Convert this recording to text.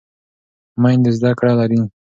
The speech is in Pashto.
میندې زده کړه لري.